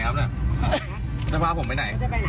จะพาผมไปไหนจะไปไหน